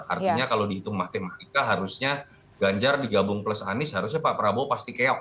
artinya kalau dihitung matematika harusnya ganjar digabung plus anies harusnya pak prabowo pasti keok